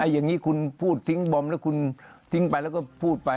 อย่างนี้คุณพูดทิ้งบอมแล้วคุณทิ้งไปแล้วก็พูดไป